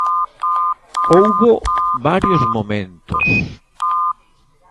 Houbo varios momentos.